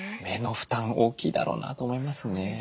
目の負担大きいだろうなと思いますね。